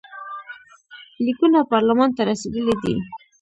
لیکونه پارلمان ته رسېدلي دي.